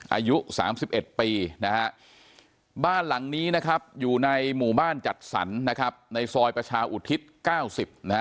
อายุ๓๑ปีนะฮะบ้านหลังนี้นะครับอยู่ในหมู่บ้านจัดสรรนะครับในซอยประชาอุทิศ๙๐นะฮะ